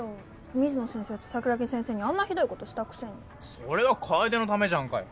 水野先生と桜木先生にあんなひどいことしたくせにそれは楓のためじゃんかよ